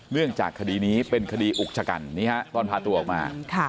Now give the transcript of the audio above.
เนื่องจากคดีนี้เป็นคดีอุกชะกันนี่ฮะตอนพาตัวออกมา